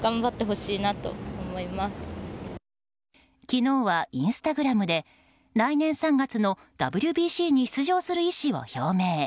昨日はインスタグラムで来年３月のＷＢＣに出場する意思を表明。